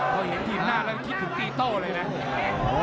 พอเห็นทีมหน้าแล้วคิดถึงตีโต้เลยนะ